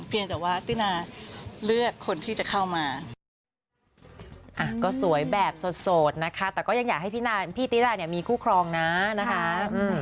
เพียงแต่ว่าตีนาเลือกคนที่จะเข้ามา